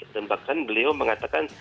dan bahkan beliau mengatakan